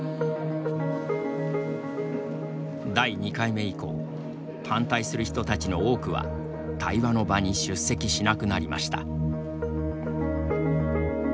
第２回目以降反対する人たちの多くは対話の場に出席しなくなりました。